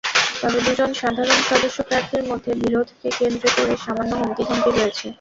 তবে দুজন সাধারণ সদস্য প্রার্থীর মধ্যে বিরোধকে কেন্দ্রে করে সামান্য হুমকি-ধমকি রয়েছে।